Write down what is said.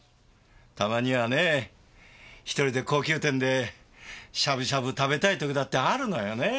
たまにはねぇ１人で高級店でしゃぶしゃぶ食べたい時だってあるのよねぇ。